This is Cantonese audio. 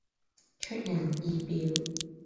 出人意表